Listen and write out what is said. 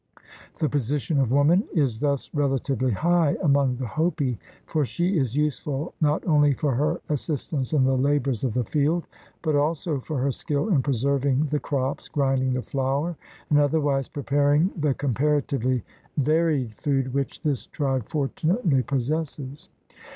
The position of woman is thus relatively high among the Hopi, for she is useful not only for her assistance in the labors of the field but also for her skill in preserving the crops, grinding the flour, and otherwise preparing the comparatively varied food which this tribe fortunately possesses.